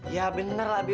ya bener lah be